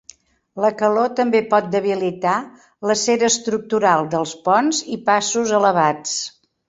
La calor també pot debilitar l'acer estructural dels ponts i passos elevats.